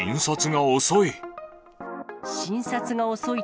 診察が遅い。